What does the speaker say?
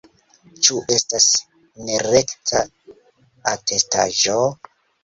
Ĉu estas nerekta atestaĵo?